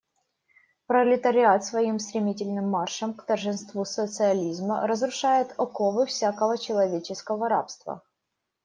Пролетариат своим стремительным маршем к торжеству социализма разрушает оковы всякого человеческого рабства.